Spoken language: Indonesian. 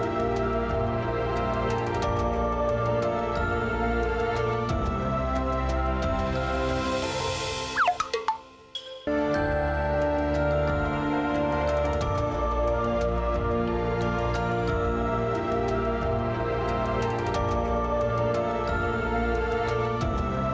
sampai ketemu lagi